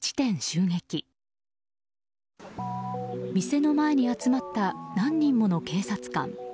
店の前に集まった何人もの警察官。